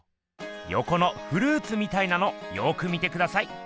よこのフルーツみたいなのよく見てください。